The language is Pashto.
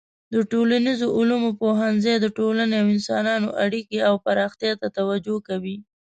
د ټولنیزو علومو پوهنځی د ټولنې او انسانانو اړیکو او پراختیا ته توجه کوي.